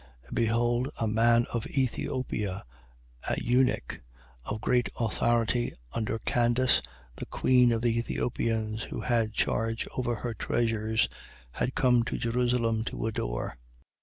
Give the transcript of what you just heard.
And behold, a man of Ethiopia, an eunuch, of great authority under Candace the queen of the Ethiopians, who had charge over all her treasures, had come to Jerusalem to adore.